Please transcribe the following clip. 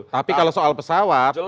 tapi kalau soal pesawat